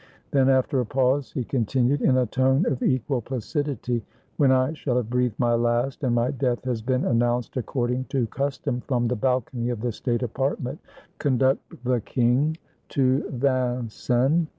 Then, after a pause, he continued, in a tone of equal placidity, — "When I shall have breathed my last, and my death has been announced according to custom from the balcony of the state apartment, conduct the king to 272 THE DEATH OF LOUIS XIV Vincennes.